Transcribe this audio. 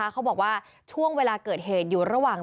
เขาบอกว่าช่วงเวลาเกิดเหตุอยู่ระหว่าง